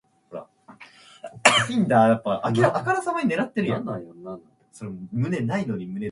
The member founder of the "Group of ten".